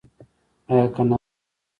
ایا قناعت کوئ؟